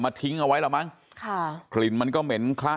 ทิ้งเอาไว้แล้วมั้งค่ะกลิ่นมันก็เหม็นคละ